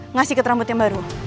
ngasih keterambut yang baru